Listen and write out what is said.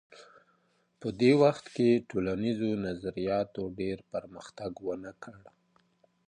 په دې وخت کي ټولنیزو نظریاتو ډېر پرمختګ ونه کړ.